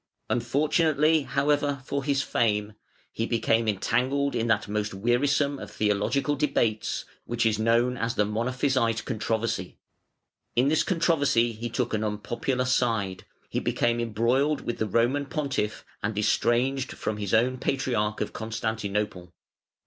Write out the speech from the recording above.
Unfortunately, however, for his fame he became entangled in that most wearisome of theological debates, which is known as the Monophysite controversy. In this controversy he took an unpopular side; he became embroiled with the Roman Pontiff, and estranged from his own Patriarch of Constantinople.